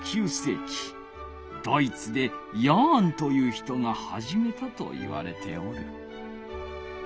ドイツでヤーンという人がはじめたといわれておる。